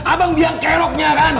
abang biang keroknya kan